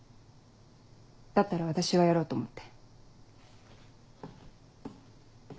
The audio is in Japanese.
だったら私がやろうと思って。